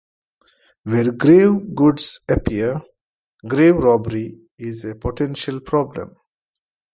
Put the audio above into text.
Where grave goods appear, grave robbery is a potential problem.